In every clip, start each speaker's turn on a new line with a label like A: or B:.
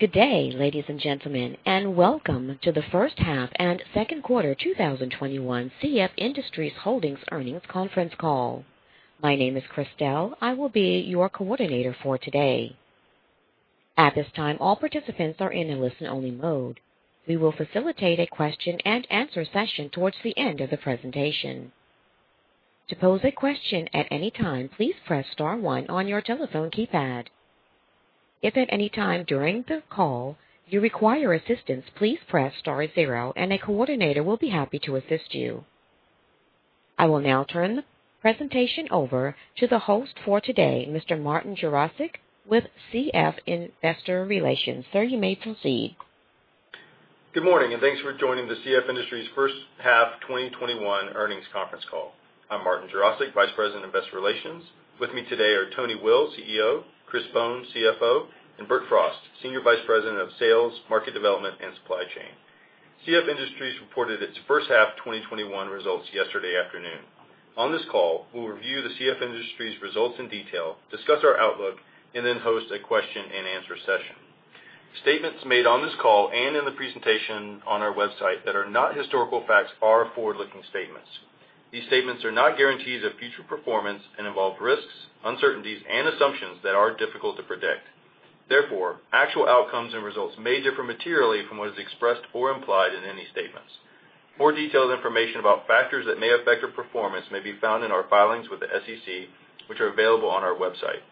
A: Good day, ladies and gentlemen, and welcome to the first half and second quarter 2021 CF Industries Holdings earnings conference call. My name is Christelle. I will be your coordinator for today. At this time, all participants are in a listen-only mode. We will facilitate a question and answer session towards the end of the presentation. To pose a question at any time, please press star one on your telephone keypad. If at any time during the call you require assistance, please press star zero and a coordinator will be happy to assist you. I will now turn the presentation over to the host for today, Mr. Martin Jarosick, with CF Investor Relations. Sir, you may proceed.
B: Good morning, and thanks for joining the CF Industries first half 2021 earnings conference call. I'm Martin Jarosick, Vice President, Investor Relations. With me today are Tony Will, CEO, Chris Bohn, CFO, and Bert Frost, Senior Vice President, Sales, Market Development, and Supply Chain. CF Industries reported its first half 2021 results yesterday afternoon. On this call, we'll review the CF Industries results in detail, discuss our outlook, then host a question and answer session. Statements made on this call and in the presentation on our website that are not historical facts are forward-looking statements. These statements are not guarantees of future performance and involve risks, uncertainties, and assumptions that are difficult to predict. Therefore, actual outcomes and results may differ materially from what is expressed or implied in any statements. More detailed information about factors that may affect our performance may be found in our filings with the SEC, which are available on our website.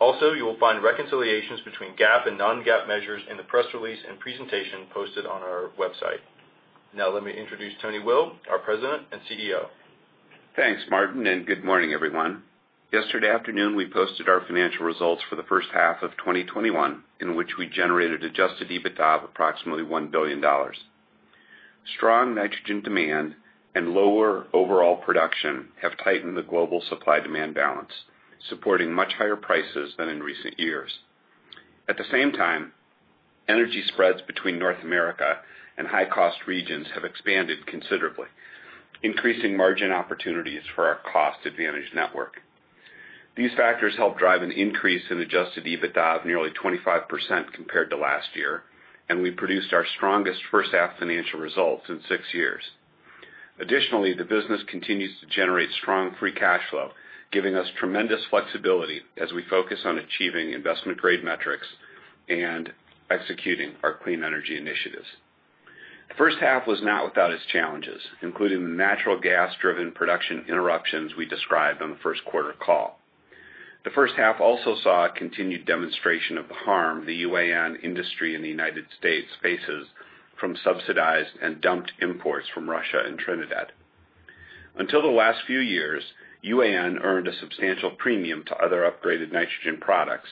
B: You will find reconciliations between GAAP and non-GAAP measures in the press release and presentation posted on our website. Let me introduce Tony Will, our President and CEO.
C: Thanks, Martin, and good morning, everyone. Yesterday afternoon, we posted our financial results for the first half of 2021 in which we generated adjusted EBITDA of approximately $1 billion. Strong nitrogen demand and lower overall production have tightened the global supply-demand balance, supporting much higher prices than in recent years. At the same time, energy spreads between North America and high-cost regions have expanded considerably, increasing margin opportunities for our cost-advantaged network. These factors help drive an increase in adjusted EBITDA of nearly 25% compared to last year, and we produced our strongest first half financial results in six years. Additionally, the business continues to generate strong free cash flow, giving us tremendous flexibility as we focus on achieving investment-grade metrics and executing our clean energy initiatives. The first half was not without its challenges, including the natural gas-driven production interruptions we described on the first quarter call. The first half also saw a continued demonstration of the harm the UAN industry in the U.S. faces from subsidized and dumped imports from Russia and Trinidad. Until the last few years, UAN earned a substantial premium to other upgraded nitrogen products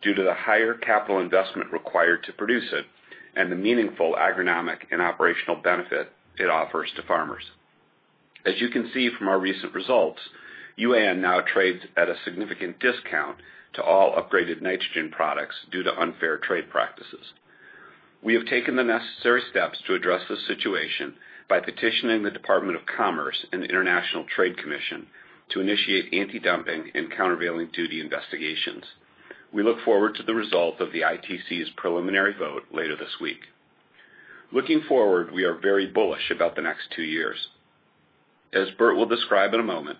C: due to the higher capital investment required to produce it and the meaningful agronomic and operational benefit it offers to farmers. As you can see from our recent results, UAN now trades at a significant discount to all upgraded nitrogen products due to unfair trade practices. We have taken the necessary steps to address this situation by petitioning the Department of Commerce and the International Trade Commission to initiate antidumping and countervailing duty investigations. We look forward to the result of the ITC's preliminary vote later this week. Looking forward, we are very bullish about the next two years. As Bert will describe in a moment,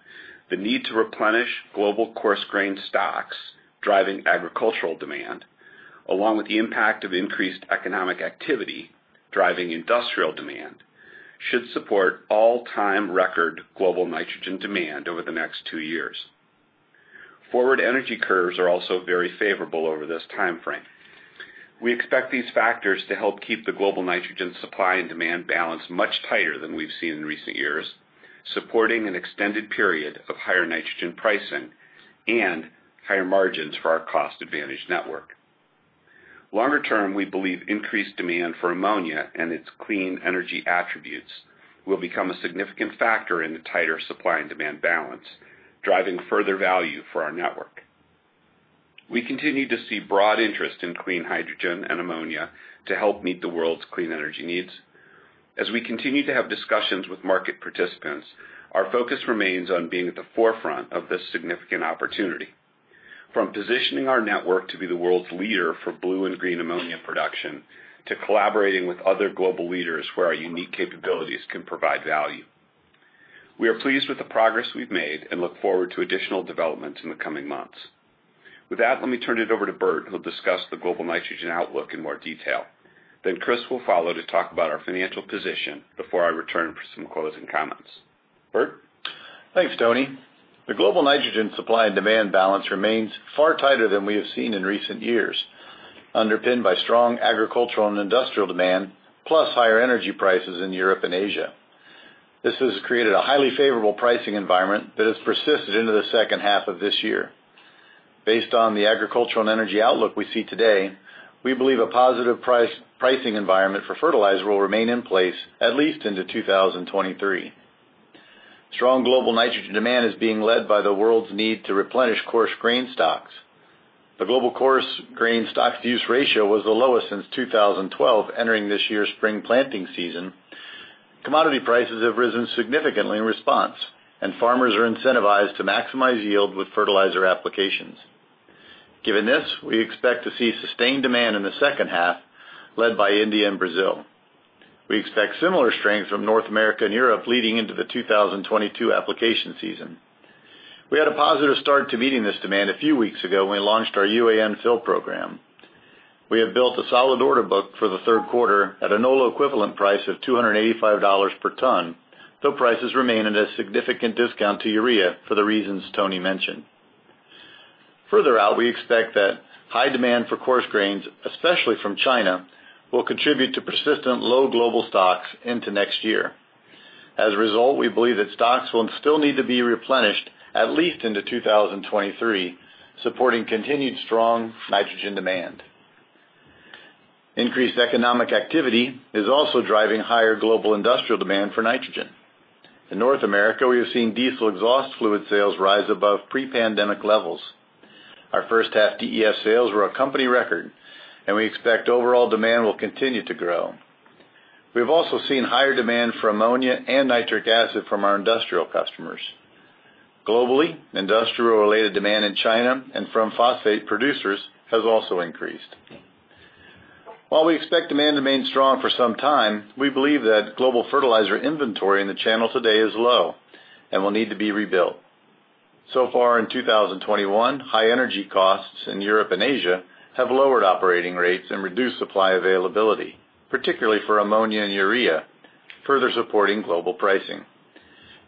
C: the need to replenish global coarse grain stocks, driving agricultural demand, along with the impact of increased economic activity, driving industrial demand, should support all-time record global nitrogen demand over the next two years. Forward energy curves are also very favorable over this timeframe. We expect these factors to help keep the global nitrogen supply and demand balance much tighter than we've seen in recent years, supporting an extended period of higher nitrogen pricing and higher margins for our cost-advantaged network. Longer term, we believe increased demand for ammonia and its clean energy attributes will become a significant factor in the tighter supply and demand balance, driving further value for our network. We continue to see broad interest in clean hydrogen and ammonia to help meet the world's clean energy needs. As we continue to have discussions with market participants, our focus remains on being at the forefront of this significant opportunity. From positioning our network to be the world's leader for blue and green ammonia production, to collaborating with other global leaders where our unique capabilities can provide value. We are pleased with the progress we've made and look forward to additional developments in the coming months. With that, let me turn it over to Bert, who'll discuss the global nitrogen outlook in more detail. Chris will follow to talk about our financial position before I return for some closing comments. Bert?
D: Thanks, Tony. The global nitrogen supply and demand balance remains far tighter than we have seen in recent years, underpinned by strong agricultural and industrial demand, plus higher energy prices in Europe and Asia. This has created a highly favorable pricing environment that has persisted into the second half of this year. Based on the agricultural and energy outlook we see today, we believe a positive pricing environment for fertilizer will remain in place at least into 2023. Strong global nitrogen demand is being led by the world's need to replenish coarse grain stocks. The global coarse grain stocks-to-use ratio was the lowest since 2012 entering this year's spring planting season. Commodity prices have risen significantly in response, and farmers are incentivized to maximize yield with fertilizer applications. Given this, we expect to see sustained demand in the second half, led by India and Brazil. We expect similar strength from North America and Europe leading into the 2022 application season. We had a positive start to meeting this demand a few weeks ago when we launched our UAN Fill program. We have built a solid order book for the third quarter at a NOLA-equivalent price of $285 per ton, though prices remain at a significant discount to urea for the reasons Tony mentioned. Further out, we expect that high demand for coarse grains, especially from China, will contribute to persistent low global stocks into next year. As a result, we believe that stocks will still need to be replenished at least into 2023, supporting continued strong nitrogen demand. Increased economic activity is also driving higher global industrial demand for nitrogen. In North America, we are seeing diesel exhaust fluid sales rise above pre-pandemic levels. Our first half DEF sales were a company record, and we expect overall demand will continue to grow. We have also seen higher demand for ammonia and nitric acid from our industrial customers. Globally, industrial-related demand in China and from phosphate producers has also increased. While we expect demand to remain strong for some time, we believe that global fertilizer inventory in the channel today is low and will need to be rebuilt. So far in 2021, high energy costs in Europe and Asia have lowered operating rates and reduced supply availability, particularly for ammonia and urea, further supporting global pricing.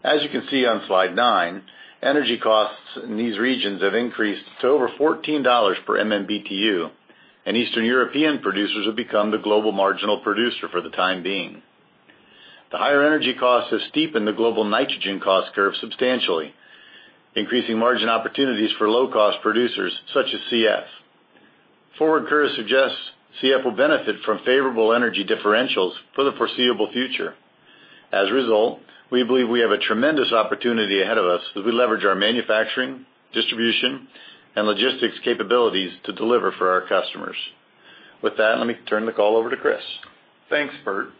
D: As you can see on slide nine, energy costs in these regions have increased to over $14 per MMBtu, and Eastern European producers have become the global marginal producer for the time being. The higher energy costs have steepened the global nitrogen cost curve substantially, increasing margin opportunities for low-cost producers such as CF. Forward curves suggest CF will benefit from favorable energy differentials for the foreseeable future. As a result, we believe we have a tremendous opportunity ahead of us as we leverage our manufacturing, distribution, and logistics capabilities to deliver for our customers. With that, let me turn the call over to Chris.
E: Thanks, Bert.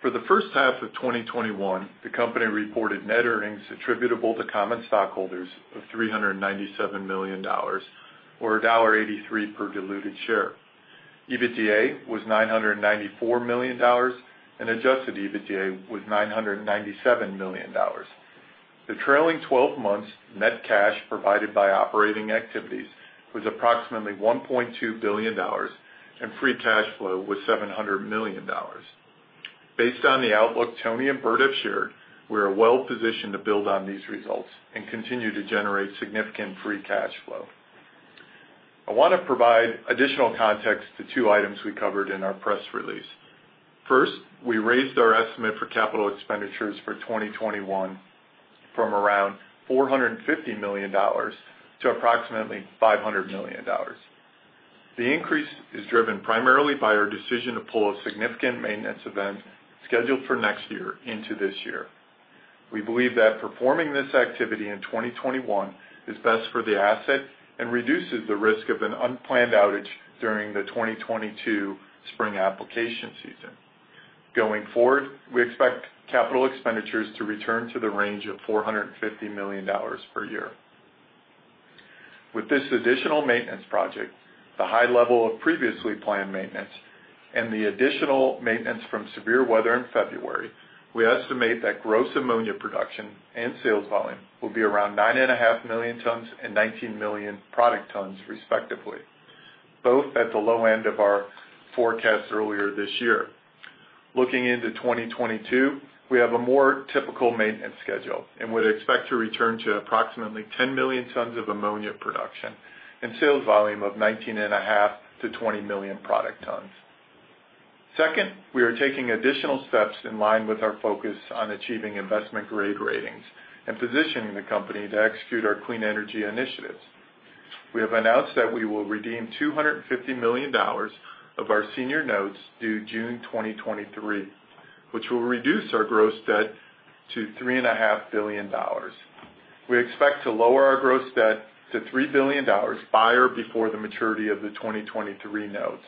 E: For the first half of 2021, the company reported net earnings attributable to common stockholders of $397 million, or $1.83 per diluted share. EBITDA was $994 million, and adjusted EBITDA was $997 million. The trailing 12 months net cash provided by operating activities was approximately $1.2 billion, and free cash flow was $700 million. Based on the outlook Tony and Bert have shared, we are well positioned to build on these results and continue to generate significant free cash flow. I want to provide additional context to two items we covered in our press release. First, we raised our estimate for capital expenditures for 2021 from around $450 million to approximately $500 million. The increase is driven primarily by our decision to pull a significant maintenance event scheduled for next year into this year. We believe that performing this activity in 2021 is best for the asset and reduces the risk of an unplanned outage during the 2022 spring application season. Going forward, we expect capital expenditures to return to the range of $450 million per year. With this additional maintenance project, the high level of previously planned maintenance, and the additional maintenance from severe weather in February, we estimate that gross ammonia production and sales volume will be around 9.5 million tons and 19 million product tons, respectively. Both at the low end of our forecast earlier this year. Looking into 2022, we have a more typical maintenance schedule and would expect to return to approximately 10 million tons of ammonia production and sales volume of 19.5 million-20 million product tons. Second, we are taking additional steps in line with our focus on achieving investment-grade ratings and positioning the company to execute our clean energy initiatives. We have announced that we will redeem $250 million of our senior notes due June 2023, which will reduce our gross debt to $3.5 billion. We expect to lower our gross debt to $3 billion by or before the maturity of the 2023 notes.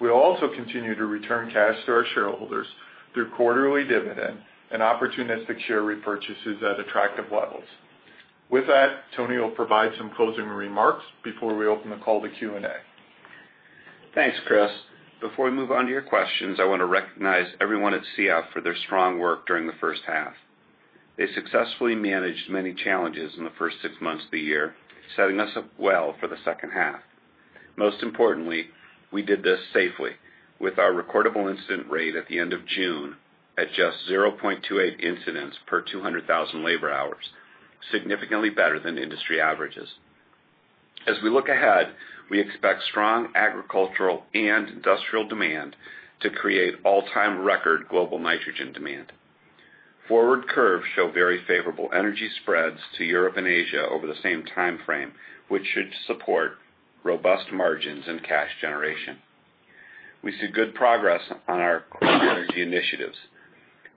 E: We will also continue to return cash to our shareholders through quarterly dividend and opportunistic share repurchases at attractive levels. With that, Tony Will provide some closing remarks before we open the call to Q&A.
C: Thanks, Chris. Before we move on to your questions, I want to recognize everyone at CF for their strong work during the first half. They successfully managed many challenges in the first six months of the year, setting us up well for the second half. Most importantly, we did this safely with our recordable incident rate at the end of June at just 0.28 incidents per 200,000 labor hours, significantly better than industry averages. As we look ahead, we expect strong agricultural and industrial demand to create all-time record global nitrogen demand. Forward curves show very favorable energy spreads to Europe and Asia over the same time frame, which should support robust margins and cash generation. We see good progress on our clean energy initiatives.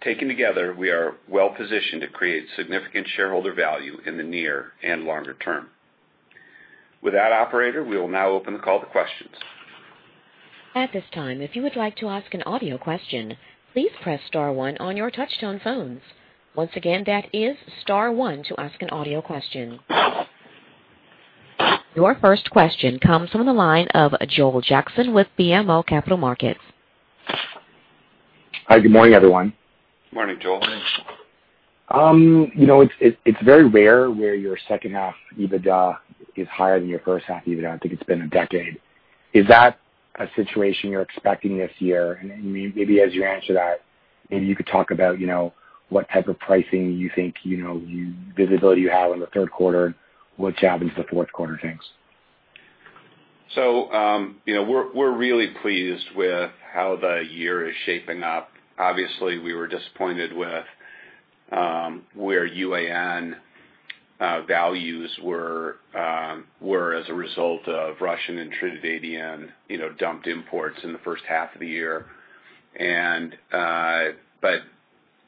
C: Taken together, we are well positioned to create significant shareholder value in the near and longer term. With that Operator, we will now open the call to questions.
A: At this time, if you would like to ask an audio question, please press star one on your touch-tone phone. Once again, press star one to ask an audio question. Your first question comes from the line of Joel Jackson with BMO Capital Markets.
F: Hi, good morning, everyone.
E: Morning, Joel.
F: It's very rare where your second half EBITDA is higher than your first half EBITDA. I think it's been a decade. Is that a situation you're expecting this year? Maybe as you answer that, maybe you could talk about what type of pricing you think, visibility you have in the third quarter, what happens to the fourth quarter things.
C: We're really pleased with how the year is shaping up. Obviously, we were disappointed with where UAN values were as a result of Russian and Trinidadian dumped imports in the first half of the year.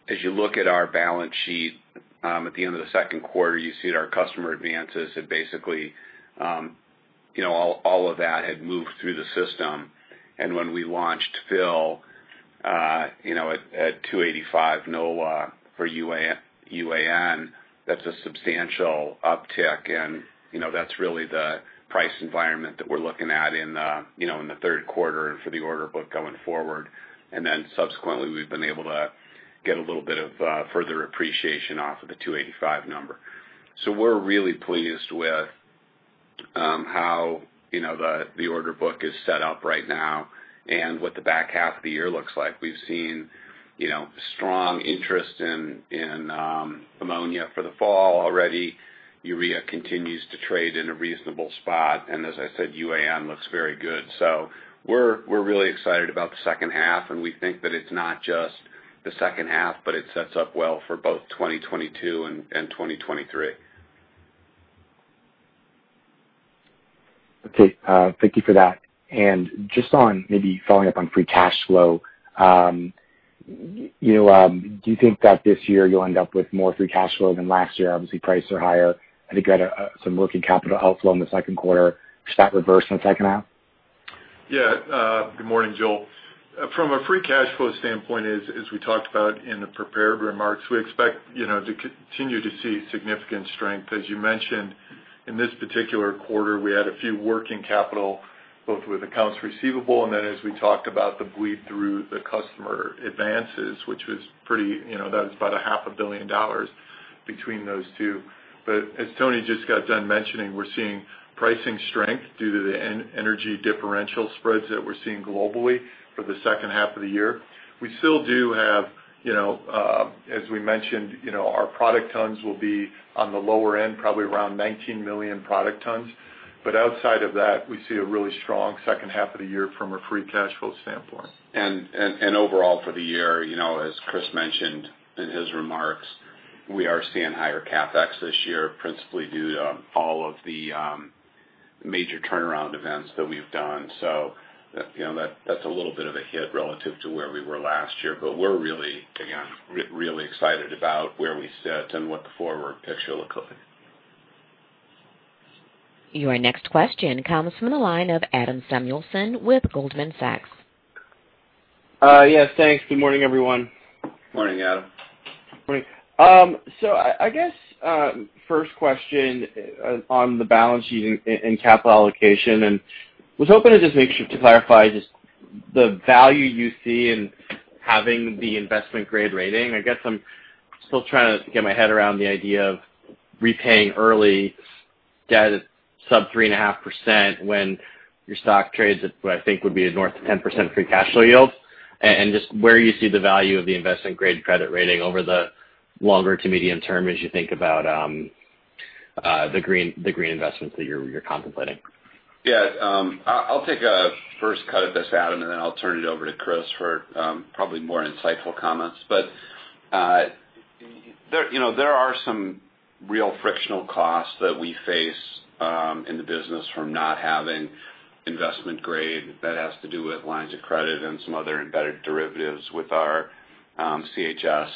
C: As you look at our balance sheet at the end of the second quarter, you see that our customer advances had basically, all of that had moved through the system. When we launched Fill at $285 NOLA for UAN, that's a substantial uptick and that's really the price environment that we're looking at in the third quarter and for the order book going forward. Subsequently, we've been able to get a little bit of further appreciation off of the $285 number. We're really pleased with how the order book is set up right now and what the back half of the year looks like. We've seen strong interest in ammonia for the fall already. Urea continues to trade in a reasonable spot. As I said, UAN looks very good. We're really excited about the second half. We think that it's not just the second half, but it sets up well for both 2022 and 2023.
F: Okay. Thank you for that. Just on maybe following up on free cash flow, do you think that this year you'll end up with more free cash flow than last year? Obviously, prices are higher. I think you had some working capital outflow in the second quarter. Does that reverse in the second half?
E: Yeah. Good morning, Joel. From a free cash flow standpoint, as we talked about in the prepared remarks, we expect to continue to see significant strength. As you mentioned, in this particular quarter, we had a few working capital, both with accounts receivable and then as we talked about the bleed through the customer advances, that was about $500 billion between those two. As Tony just got done mentioning, we're seeing pricing strength due to the energy differential spreads that we're seeing globally for the second half of the year. We still do have, as we mentioned, our product tons will be on the lower end, probably around 19 million product tons. Outside of that, we see a really strong second half of the year from a free cash flow standpoint.
C: Overall for the year, as Chris mentioned in his remarks, we are seeing higher CapEx this year, principally due to all of the major turnaround events that we've done. That's a little bit of a hit relative to where we were last year. We're really, again, really excited about where we sit and what the forward picture looks like.
A: Your next question comes from the line of Adam Samuelson with Goldman Sachs.
G: Yes, thanks. Good morning, everyone.
E: Morning, Adam.
G: Morning. I guess, first question on the balance sheet and capital allocation. Was hoping to just make sure to clarify just the value you see in having the investment grade rating. I guess I'm still trying to get my head around the idea of repaying early debt at sub 3.5% when your stock trades at what I think would be north of 10% free cash flow yield. Just where you see the value of the investment grade credit rating over the longer to medium term as you think about the green investments that you're contemplating.
C: Yeah. I'll take a first cut at this, Adam, and then I'll turn it over to Chris for probably more insightful comments. There are some real frictional costs that we face in the business from not having investment grade that has to do with lines of credit and some other embedded derivatives with our CHS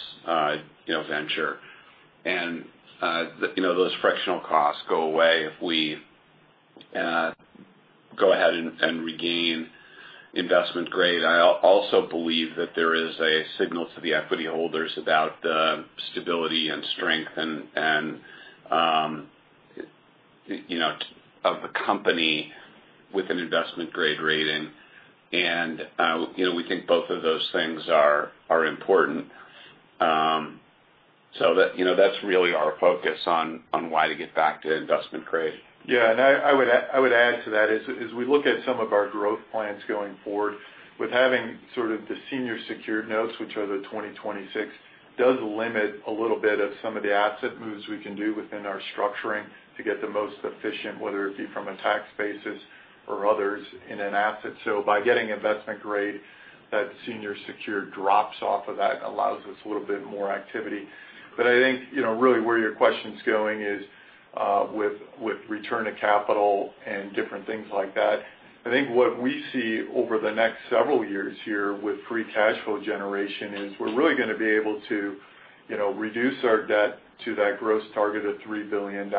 C: venture. Those frictional costs go away if we go ahead and regain investment grade. I also believe that there is a signal to the equity holders about the stability and strength of the company with an investment grade rating. We think both of those things are important. That's really our focus on why to get back to investment grade.
E: I would add to that as we look at some of our growth plans going forward with having sort of the senior secured notes, which are the 2026, does limit a little bit of some of the asset moves we can do within our structuring to get the most efficient, whether it be from a tax basis or others in an asset. By getting investment grade, that senior secured drops off of that allows us a little bit more activity. I think, really where your question's going is with return to capital and different things like that. I think what we see over the next several years here with free cash flow generation is we're really going to be able to Reduce our debt to that gross target of $3 billion,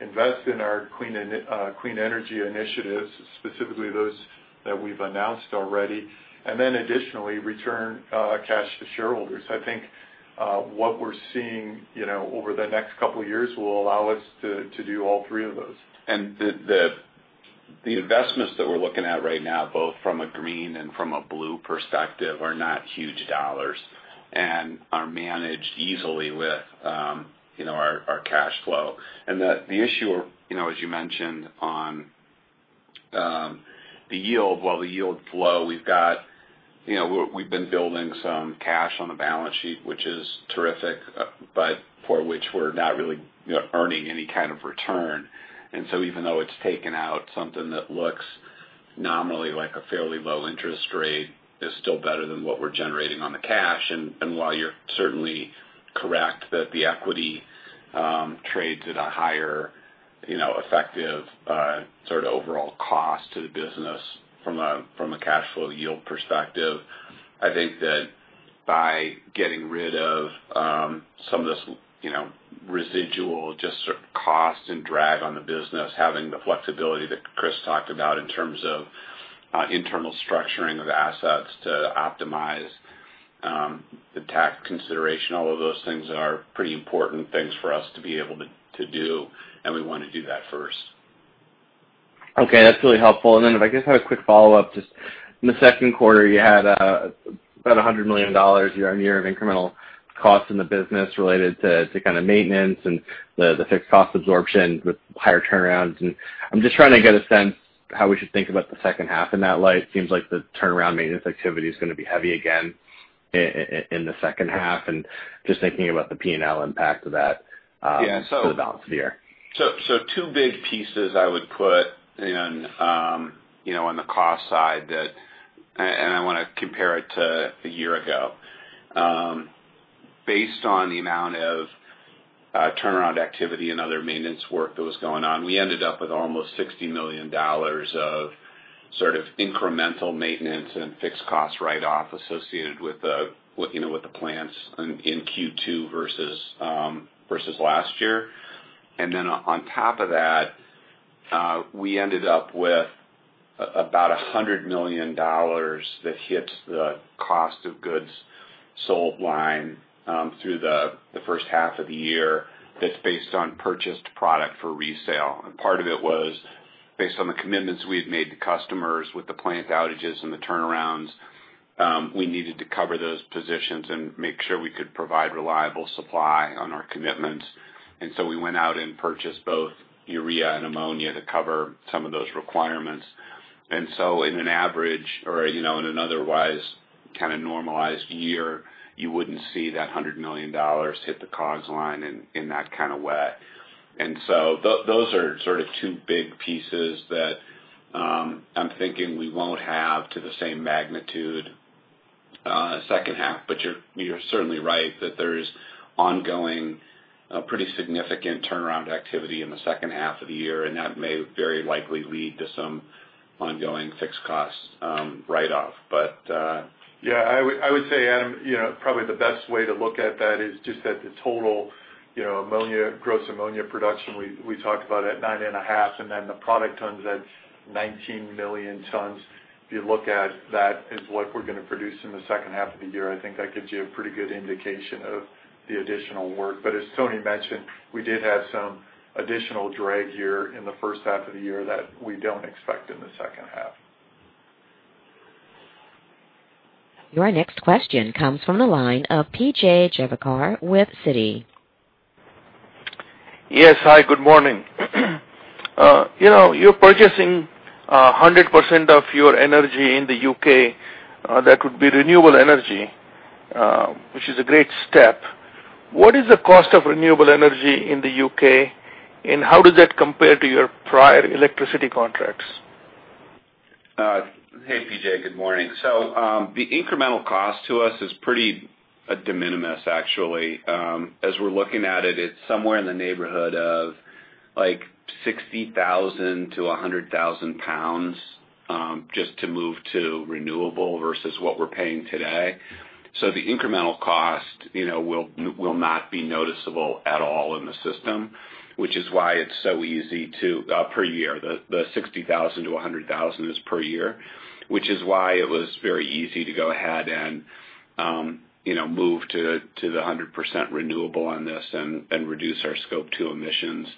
E: invest in our clean energy initiatives, specifically those that we've announced already, and then additionally, return cash to shareholders. I think what we're seeing over the next couple of years will allow us to do all three of those.
C: The investments that we're looking at right now, both from a green and from a blue perspective, are not huge dollars and are managed easily with our cash flow. The issue, as you mentioned on the yield, while the yield's low, we've been building some cash on the balance sheet, which is terrific, but for which we're not really earning any kind of return. Even though it's taken out something that looks nominally like a fairly low interest rate, it's still better than what we're generating on the cash. while you're certainly correct that the equity trades at a higher effective sort of overall cost to the business from a cash flow yield perspective, I think that by getting rid of some of this residual just sort of cost and drag on the business, having the flexibility that Chris talked about in terms of internal structuring of assets to optimize the tax consideration, all of those things are pretty important things for us to be able to do, and we want to do that first.
G: Okay, that's really helpful. Then if I could just have a quick follow-up. Just in the second quarter, you had about $100 million year-over-year of incremental costs in the business related to kind of maintenance and the fixed cost absorption with higher turnarounds. I'm just trying to get a sense how we should think about the second half in that light. Seems like the turnaround maintenance activity is going to be heavy again in the second half. Just thinking about the P&L impact of that-
C: Yeah.
G: for the balance of the year.
C: Two big pieces I would put in on the cost side, and I want to compare it to a year ago. Based on the amount of turnaround activity and other maintenance work that was going on, we ended up with almost $60 million of sort of incremental maintenance and fixed cost write-off associated with the plants in Q2 versus last year. Then on top of that, we ended up with about $100 million that hit the cost of goods sold line through the first half of the year that's based on purchased product for resale. Part of it was based on the commitments we had made to customers with the plant outages and the turnarounds. We needed to cover those positions and make sure we could provide reliable supply on our commitments. We went out and purchased both urea and ammonia to cover some of those requirements. In an average, or in an otherwise kind of normalized year, you wouldn't see that $100 million hit the COGS line in that kind of way. Those are sort of two big pieces that I'm thinking we won't have to the same magnitude second half. You're certainly right that there's ongoing pretty significant turnaround activity in the second half of the year, and that may very likely lead to some ongoing fixed cost write-off.
E: Yeah, I would say, Adam, probably the best way to look at that is just at the total gross ammonia production we talked about at 9.5 million tons, and then the product tons at 19 million tons. If you look at that is what we're going to produce in the second half of the year, I think that gives you a pretty good indication of the additional work. As Tony mentioned, we did have some additional drag here in the first half of the year that we don't expect in the second half.
A: Your next question comes from the line of P.J. Juvekar with Citi.
H: Yes. Hi, good morning. You're purchasing 100% of your energy in the U.K., that would be renewable energy, which is a great step. What is the cost of renewable energy in the U.K., and how does that compare to your prior electricity contracts?
C: Hey, P.J., good morning. The incremental cost to us is pretty de minimis, actually. As we're looking at it's somewhere in the neighborhood of like 60,000-100,000 pounds just to move to renewable versus what we're paying today. The incremental cost will not be noticeable at all in the system, which is why it's so easy. The 60,000-100,000 is per year, which is why it was very easy to go ahead and move to the 100% renewable on this and reduce our Scope 2 emissions.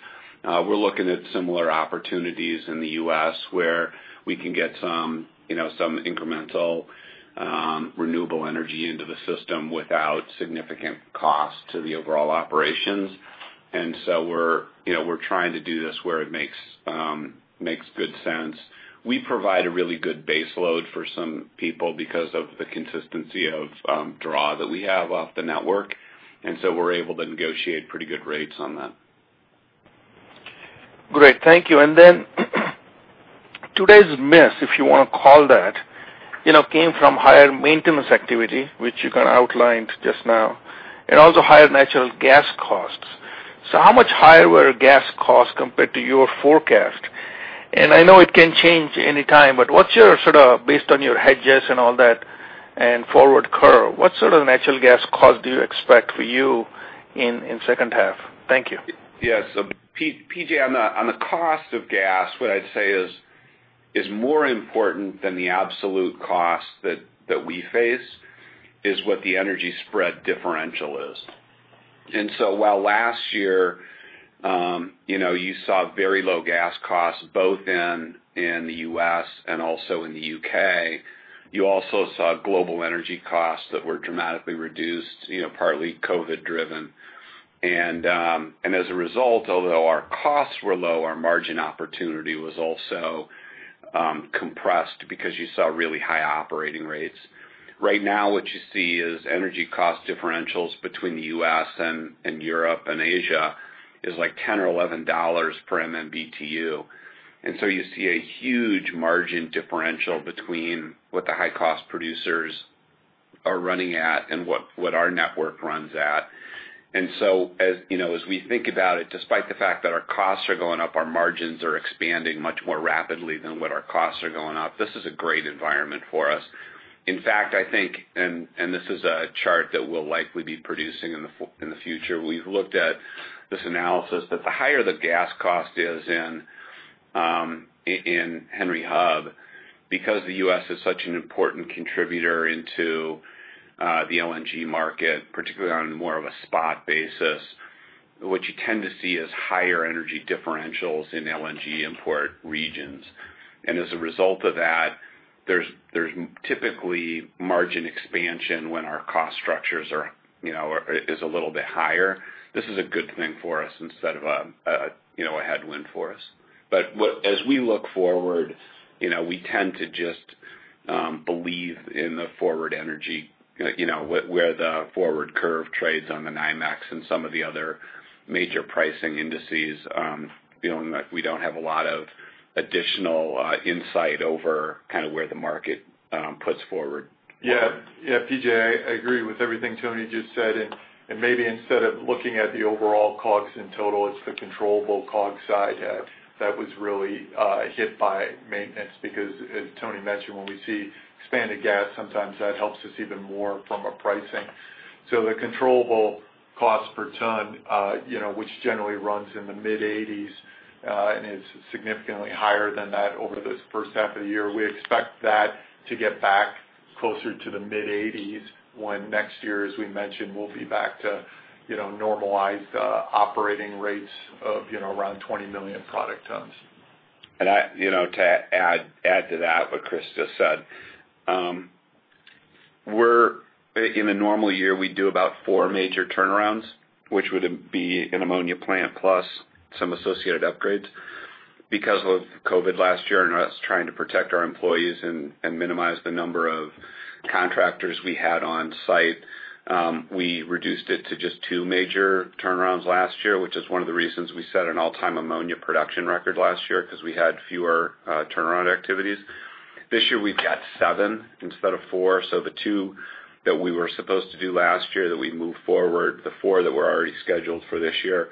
C: We're looking at similar opportunities in the U.S. where we can get some incremental renewable energy into the system without significant cost to the overall operations. We're trying to do this where it makes good sense. We provide a really good base load for some people because of the consistency of draw that we have off the network, and so we're able to negotiate pretty good rates on that.
H: Great. Thank you. today's miss, if you want to call that, came from higher maintenance activity, which you kind of outlined just now, and also higher natural gas costs. How much higher were gas costs compared to your forecast? I know it can change any time, but based on your hedges and all that, and forward curve, what sort of natural gas cost do you expect for you in second half? Thank you.
C: Yes. P.J., on the cost of gas, what I'd say is more important than the absolute cost that we face is what the energy spread differential is. While last year, you saw very low gas costs both in the U.S. and also in the U.K., you also saw global energy costs that were dramatically reduced, partly COVID driven. As a result, although our costs were low, our margin opportunity was also compressed because you saw really high operating rates. Right now, what you see is energy cost differentials between the U.S. and Europe and Asia is like $10 or $11 per MMBtu. You see a huge margin differential between what the high-cost producers are running at and what our network runs at. As we think about it, despite the fact that our costs are going up, our margins are expanding much more rapidly than what our costs are going up. This is a great environment for us. In fact, I think, and this is a chart that we'll likely be producing in the future. We've looked at this analysis that the higher the gas cost is in Henry Hub, because the U.S. is such an important contributor into the LNG market, particularly on more of a spot basis, what you tend to see is higher energy differentials in LNG import regions. as a result of that, there's typically margin expansion when our cost structures is a little bit higher. This is a good thing for us instead of a headwind for us. As we look forward, we tend to just believe in the forward energy, where the forward curve trades on the NYMEX and some of the other major pricing indices, feeling like we don't have a lot of additional insight over where the market puts forward.
E: Yeah. P.J., I agree with everything Tony just said, and maybe instead of looking at the overall COGS in total, it's the controllable COGS side that was really hit by maintenance because as Tony mentioned, when we see expanded gas, sometimes that helps us even more from a pricing. The controllable cost per ton, which generally runs in the mid-80s, and is significantly higher than that over this first half of the year, we expect that to get back closer to the mid-80s when next year, as we mentioned, we'll be back to normalized operating rates of around 20 million product tons.
C: To add to that what Chris just said, in a normal year, we do about four major turnarounds, which would be an ammonia plant plus some associated upgrades. Because of COVID last year and us trying to protect our employees and minimize the number of contractors we had on site, we reduced it to just two major turnarounds last year, which is one of the reasons we set an all-time ammonia production record last year because we had fewer turnaround activities. This year we've got seven instead of four, so the two that we were supposed to do last year that we moved forward, the four that were already scheduled for this year.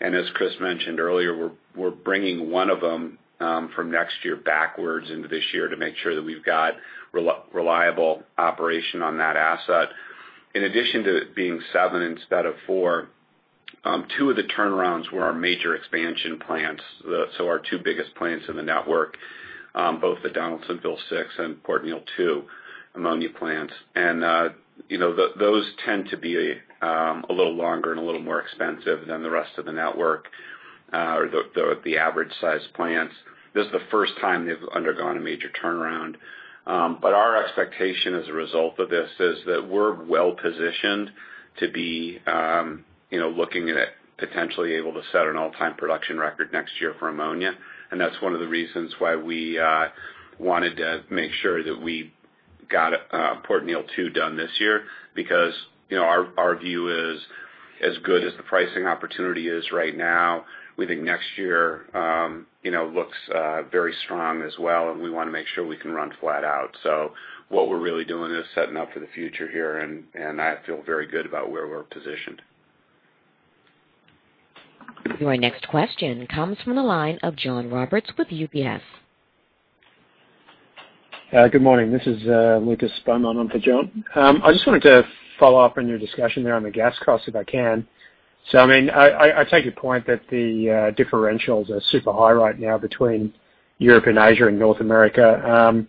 C: As Chris mentioned earlier, we're bringing one of them from next year backwards into this year to make sure that we've got reliable operation on that asset. In addition to it being seven instead of four, two of the turnarounds were our major expansion plants. Our two biggest plants in the network, both the Donaldsonville 6 and Port Neal 2 ammonia plants. Those tend to be a little longer and a little more expensive than the rest of the network or the average size plants. This is the first time they've undergone a major turnaround. Our expectation as a result of this is that we're well-positioned to be looking at potentially able to set an all-time production record next year for ammonia. That's one of the reasons why we wanted to make sure that we got Port Neal 2 done this year because our view is as good as the pricing opportunity is right now. We think next year looks very strong as well, and we want to make sure we can run flat out. What we're really doing is setting up for the future here, and I feel very good about where we're positioned.
A: Your next question comes from the line of John Roberts with UBS.
I: Good morning. This is Lucas Beaumont on for John. I just wanted to follow up on your discussion there on the gas cost, if I can. I take your point that the differentials are super high right now between Europe and Asia and North America.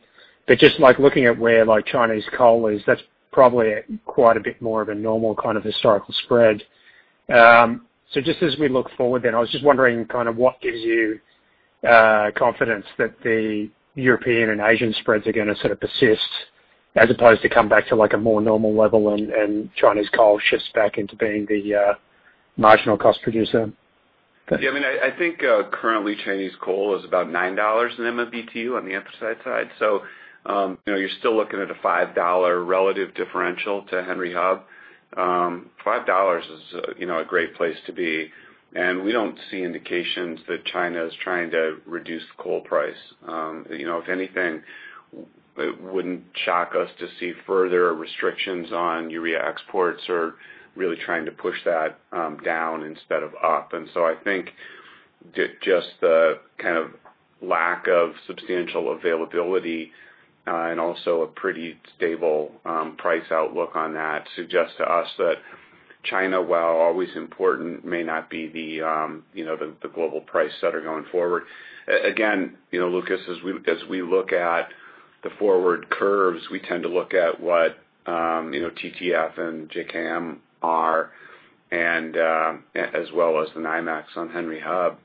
I: Just looking at where Chinese coal is, that's probably quite a bit more of a normal kind of historical spread. Just as we look forward then, I was just wondering what gives you confidence that the European and Asian spreads are going to sort of persist as opposed to come back to a more normal level and Chinese coal shifts back into being the marginal cost producer?
C: Yeah. I think currently Chinese coal is about $9 an MMBtu on the anthracite side. you're still looking at a $5 relative differential to Henry Hub. $5 is a great place to be, and we don't see indications that China is trying to reduce coal price. If anything, it wouldn't shock us to see further restrictions on urea exports or really trying to push that down instead of up. I think just the lack of substantial availability and also a pretty stable price outlook on that suggests to us that China, while always important, may not be the global price setter going forward. Again, Lucas, as we look at the forward curves, we tend to look at what TTF and JKM are, as well as the NYMEX on Henry Hub.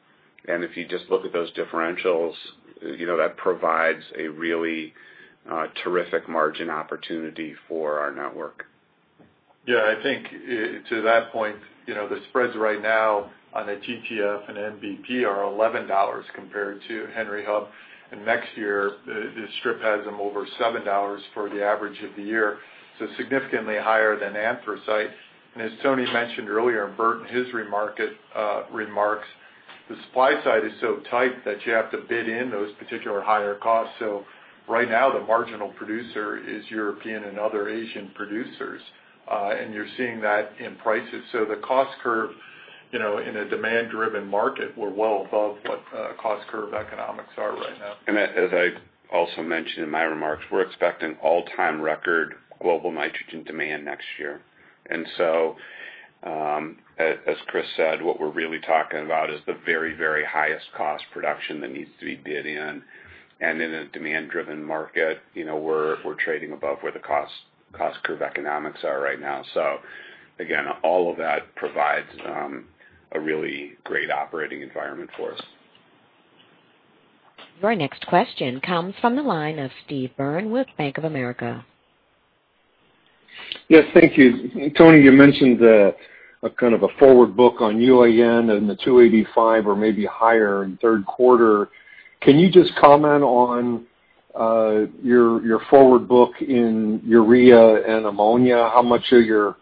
C: if you just look at those differentials, that provides a really terrific margin opportunity for our network.
E: Yeah, I think to that point, the spreads right now on a TTF and JKM are $11 compared to Henry Hub. next year, the strip has them over $7 for the average of the year. significantly higher than anthracite. as Tony mentioned earlier, and Bert in his remarks, the supply side is so tight that you have to bid in those particular higher costs. right now, the marginal producer is European and other Asian producers. you're seeing that in prices. the cost curve in a demand-driven market, we're well above what cost curve economics are right now.
C: As I also mentioned in my remarks, we're expecting all-time record global nitrogen demand next year. As Chris said, what we're really talking about is the very highest cost production that needs to be bid in. In a demand-driven market, we're trading above where the cost curve economics are right now. Again, all of that provides a really great operating environment for us.
A: Your next question comes from the line of Steve Byrne with Bank of America.
J: Yes. Thank you. Tony, you mentioned a kind of a forward book on UAN in the $285 or maybe higher in third quarter. Can you just comment on your forward book in urea and ammonia? How much of your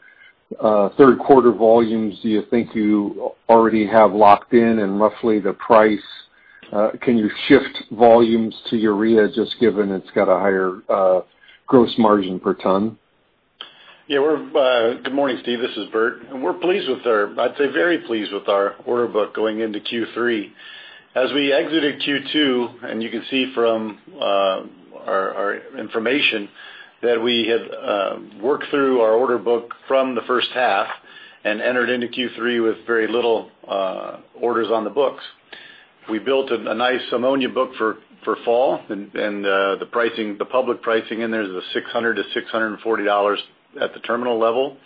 J: third quarter volumes do you think you already have locked in, and roughly the price? Can you shift volumes to urea, just given it's got a higher gross margin per ton?
D: Yeah. Good morning, Steve. This is Bert. I'd say very pleased with our order book going into Q3. As we exited Q2, and you can see from our information that we have worked through our order book from the first half and entered into Q3 with very little orders on the books. We built a nice ammonia book for fall, and the public pricing in there is the $600-$640 at the terminal level.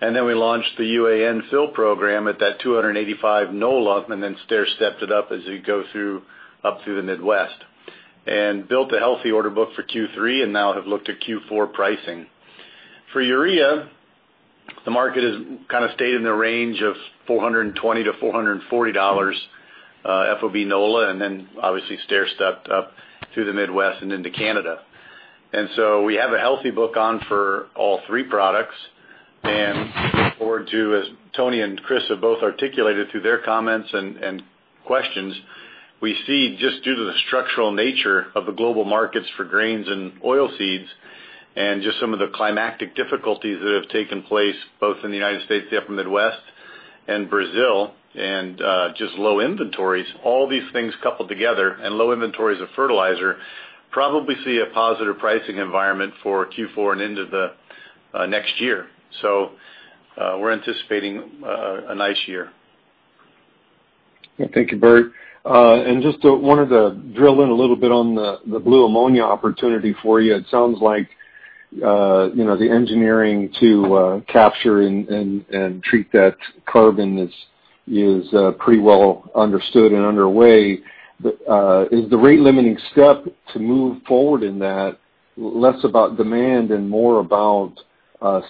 D: Then we launched the UAN fill program at that $285 NOLA and then stair stepped it up as you go up through the Midwest. Built a healthy order book for Q3, and now have looked at Q4 pricing. For urea, the market has kind of stayed in the range of $420-$440 FOB NOLA, and then obviously stair-stepped up through the Midwest and into Canada. We have a healthy book on for all three products. Looking forward to, as Tony and Chris have both articulated through their comments and questions, we see just due to the structural nature of the global markets for grains and oilseeds and just some of the climactic difficulties that have taken place both in the United States, the upper Midwest, and Brazil, and just low inventories, all these things coupled together, and low inventories of fertilizer probably see a positive pricing environment for Q4 and into the next year. We're anticipating a nice year.
J: Thank you, Bert. Just wanted to drill in a little bit on the blue ammonia opportunity for you. It sounds like the engineering to capture and treat that carbon is pretty well understood and underway. Is the rate limiting step to move forward in that less about demand and more about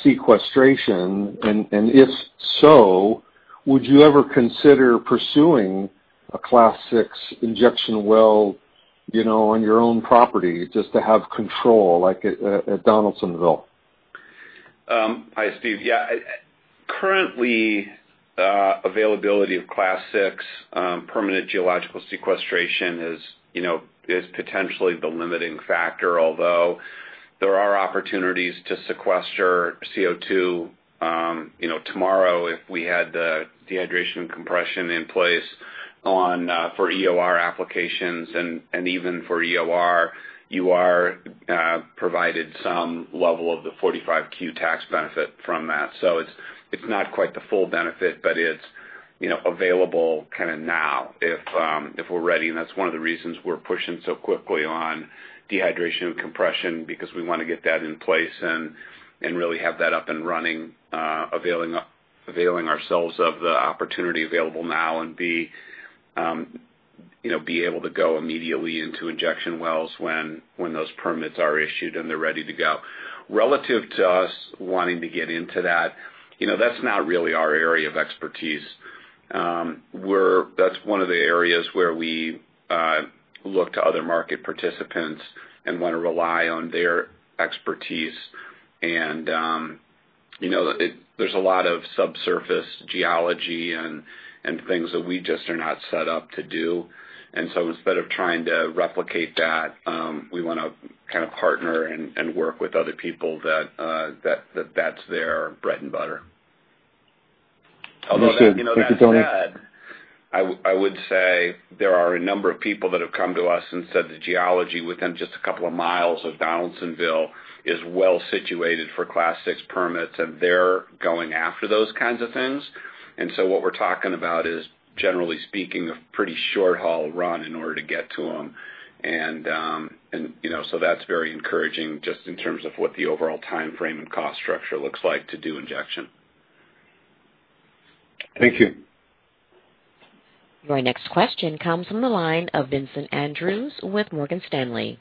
J: sequestration? If so, would you ever consider pursuing a Class VI injection well on your own property just to have control like at Donaldsonville?
C: Hi, Steve. Yeah. Currently, availability of Class VI permanent geological sequestration is potentially the limiting factor, although there are opportunities to sequester CO2 tomorrow if we had the dehydration compression in place for EOR applications. even for EOR, you are provided some level of the 45Q tax benefit from that. it's not quite the full benefit, but it's available kind of now if we're ready. that's one of the reasons we're pushing so quickly on dehydration and compression because we want to get that in place and really have that up and running, availing ourselves of the opportunity available now and be able to go immediately into injection wells when those permits are issued, and they're ready to go. Relative to us wanting to get into that's not really our area of expertise. That's one of the areas where we look to other market participants and want to rely on their expertise and There's a lot of subsurface geology and things that we just are not set up to do. instead of trying to replicate that, we want to partner and work with other people that's their bread and butter.
J: Thank you, Tony.
C: Although that said, I would say there are a number of people that have come to us and said the geology within just a couple of miles of Donaldsonville is well-situated for Class VI permits, and they're going after those kinds of things. What we're talking about is, generally speaking, a pretty short-haul run in order to get to them. That's very encouraging just in terms of what the overall timeframe and cost structure looks like to do injection.
J: Thank you.
A: Your next question comes from the line of Vincent Andrews with Morgan Stanley.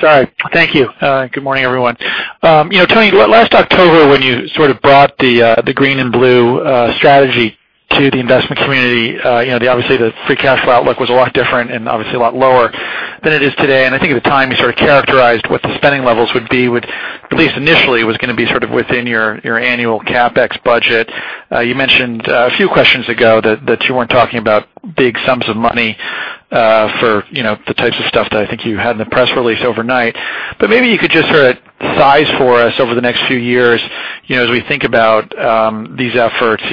K: Sorry. Thank you. Good morning, everyone. Tony, last October, when you brought the green and blue strategy to the investment community, obviously the free cash flow outlook was a lot different and obviously a lot lower than it is today. I think at the time, you characterized what the spending levels would be with, at least initially, was going to be within your annual CapEx budget. You mentioned a few questions ago that you weren't talking about big sums of money for the types of stuff that I think you had in the press release overnight. Maybe you could just size for us over the next few years, as we think about these efforts, is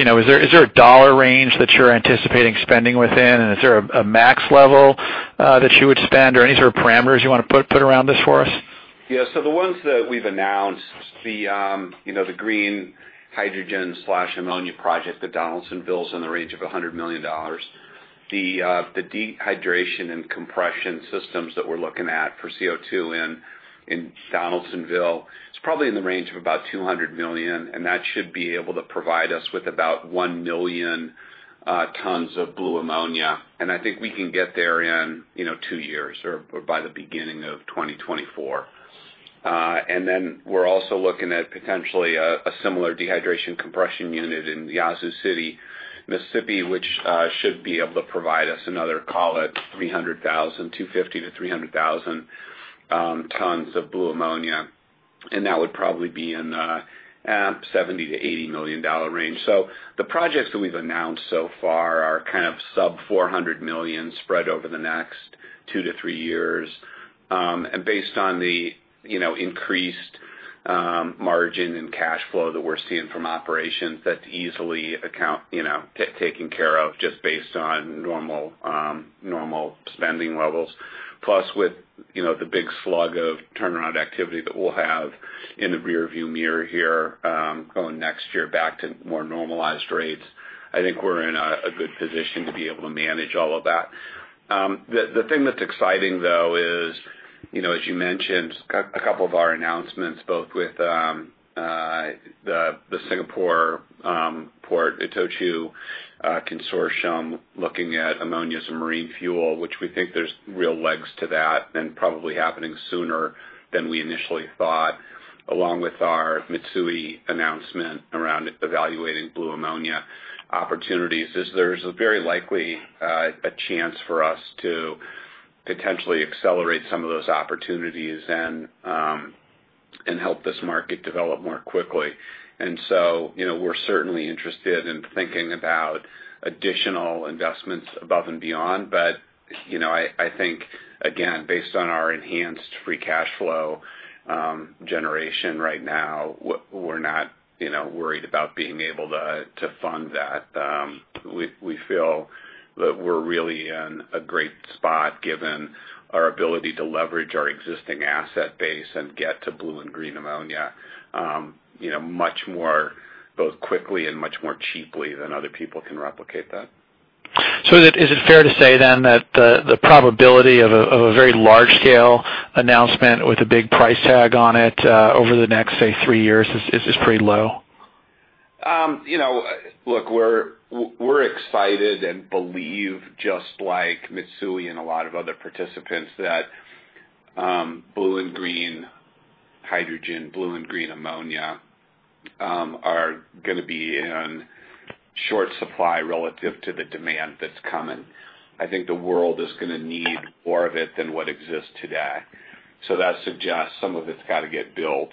K: there a dollar range that you're anticipating spending within? Is there a max level that you would spend? Any sort of parameters you want to put around this for us?
C: Yeah. the ones that we've announced, the green hydrogen/ammonia project at Donaldsonville is in the range of $100 million. The dehydration and compression systems that we're looking at for CO2 in Donaldsonville, it's probably in the range of about $200 million, and that should be able to provide us with about 1 million tons of blue ammonia. I think we can get there in two years or by the beginning of 2024. we're also looking at potentially a similar dehydration compression unit in Yazoo City, Mississippi, which should be able to provide us another, call it 250,000 tons-300,000 tons of blue ammonia. That would probably be in the $70 million-$80 million range. the projects that we've announced so far are sub-$400 million spread over the next two to three years. Based on the increased margin and cash flow that we're seeing from operations, that's easily taken care of just based on normal spending levels. Plus, with the big slug of turnaround activity that we'll have in the rearview mirror here going next year back to more normalized rates, I think we're in a good position to be able to manage all of that. The thing that's exciting, though, is as you mentioned, a couple of our announcements, both with the Singapore port, ITOCHU consortium looking at ammonia as a marine fuel, which we think there's real legs to that and probably happening sooner than we initially thought, along with our Mitsui announcement around evaluating blue ammonia opportunities, is there's very likely a chance for us to potentially accelerate some of those opportunities and help this market develop more quickly. We're certainly interested in thinking about additional investments above and beyond. I think, again, based on our enhanced free cash flow generation right now, we're not worried about being able to fund that. We feel that we're really in a great spot given our ability to leverage our existing asset base and get to blue and green ammonia much more, both quickly and much more cheaply than other people can replicate that.
K: Is it fair to say then that the probability of a very large-scale announcement with a big price tag on it over the next, say, three years is pretty low?
C: Look, we're excited and believe, just like Mitsui and a lot of other participants, that blue and green hydrogen, blue and green ammonia are going to be in short supply relative to the demand that's coming. I think the world is going to need more of it than what exists today. That suggests some of it's got to get built,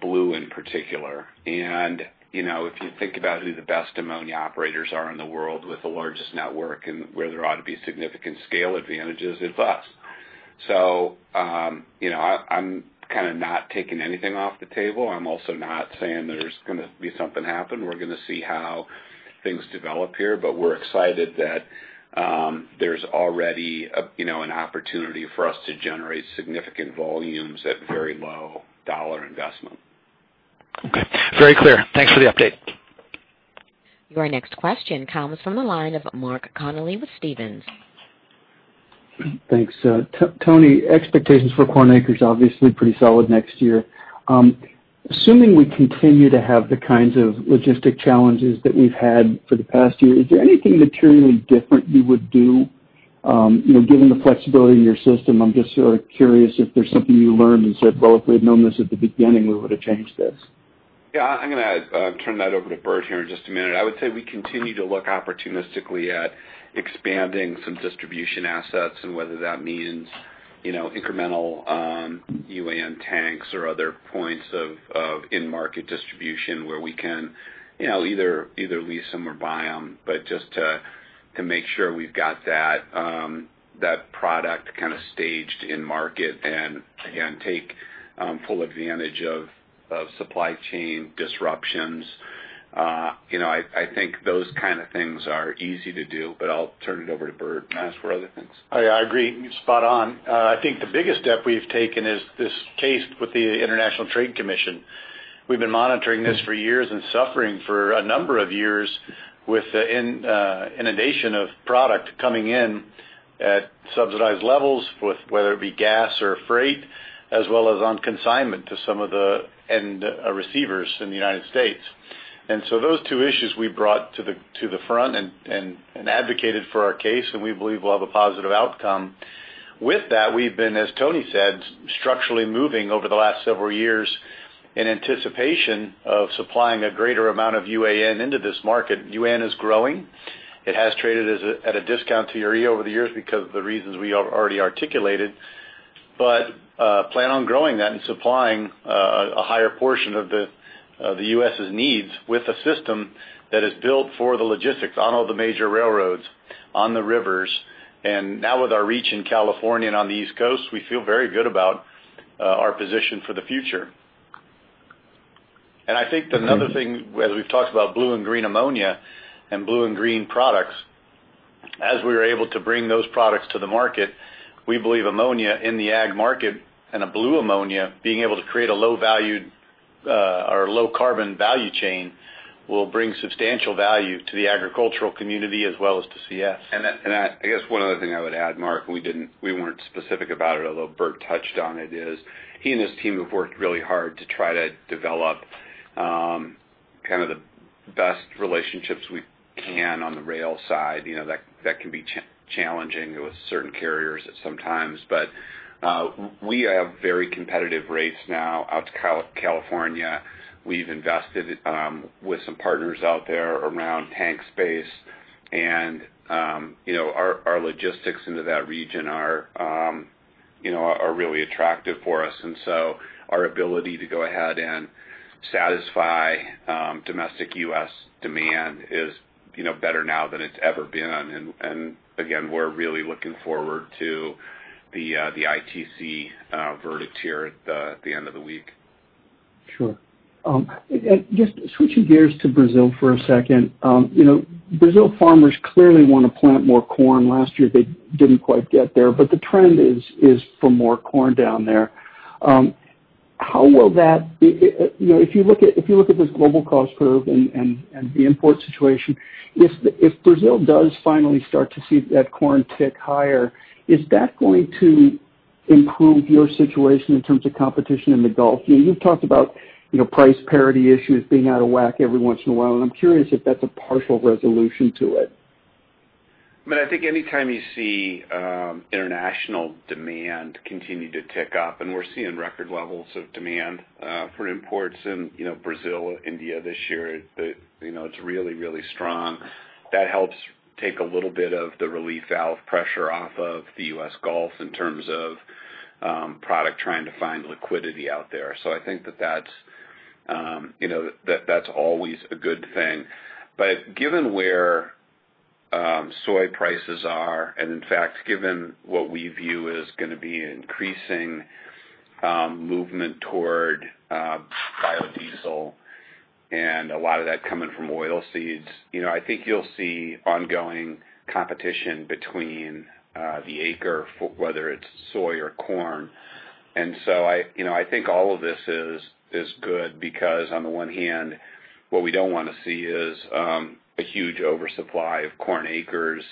C: blue in particular. If you think about who the best ammonia operators are in the world with the largest network and where there ought to be significant scale advantages, it's us. I'm not taking anything off the table. I'm also not saying there's going to be something happen. We're going to see how things develop here, but we're excited that there's already an opportunity for us to generate significant volumes at very low dollar investment.
K: Okay. Very clear. Thanks for the update.
A: Your next question comes from the line of Mark Connelly with Stephens.
L: Thanks. Tony, expectations for corn acres, obviously pretty solid next year. Assuming we continue to have the kinds of logistic challenges that we've had for the past year, is there anything materially different you would do given the flexibility in your system? I'm just curious if there's something you learned and said, "Well, if we had known this at the beginning, we would've changed this.
C: Yeah, I'm going to turn that over to Bert here in just a minute. I would say we continue to look opportunistically at expanding some distribution assets, and whether that means incremental UAN tanks or other points of in-market distribution where we can either lease them or buy them. just to make sure we've got that product staged in market and, again, take full advantage of supply chain disruptions. I think those kind of things are easy to do, but I'll turn it over to Bert to ask for other things.
D: I agree. Spot on. I think the biggest step we've taken is this case with the International Trade Commission. We've been monitoring this for years and suffering for a number of years with the inundation of product coming in at subsidized levels, whether it be gas or freight, as well as on consignment to some of the end receivers in the United States. those two issues we brought to the front and advocated for our case, and we believe we'll have a positive outcome. With that, we've been, as Tony said, structurally moving over the last several years in anticipation of supplying a greater amount of UAN into this market. UAN is growing. It has traded at a discount to Urea over the years because of the reasons we already articulated. Plan on growing that and supplying a higher portion of the U.S.' needs with a system that is built for the logistics on all the major railroads, on the rivers. Now with our reach in California and on the East Coast, we feel very good about our position for the future. I think another thing, as we've talked about blue and green ammonia and blue and green products, as we were able to bring those products to the market, we believe ammonia in the ag market and a blue ammonia being able to create a low carbon value chain will bring substantial value to the agricultural community as well as to CF.
C: I guess one other thing I would add, Mark, we weren't specific about it, although Bert touched on it, is he and his team have worked really hard to try to develop the best relationships we can on the rail side. That can be challenging with certain carriers at some times. We have very competitive rates now out to California. We've invested with some partners out there around tank space and our logistics into that region are really attractive for us. Our ability to go ahead and satisfy domestic US demand is better now than it's ever been. Again, we're really looking forward to the ITC verdict here at the end of the week.
L: Sure. Just switching gears to Brazil for a second. Brazil farmers clearly want to plant more corn. Last year, they didn't quite get there, but the trend is for more corn down there. If you look at this global cost curve and the import situation, if Brazil does finally start to see that corn tick higher, is that going to improve your situation in terms of competition in the Gulf? You've talked about price parity issues being out of whack every once in a while, and I'm curious if that's a partial resolution to it.
C: I think anytime you see international demand continue to tick up, and we're seeing record levels of demand for imports in Brazil, India this year, it's really strong. That helps take a little bit of the relief valve pressure off of the US Gulf in terms of product trying to find liquidity out there. I think that that's always a good thing. Given where soy prices are, and in fact, given what we view is going to be an increasing movement toward biodiesel and a lot of that coming from oilseeds, I think you'll see ongoing competition between the acre, whether it's soy or corn. I think all of this is good because on the one hand, what we don't want to see is a huge oversupply of corn acres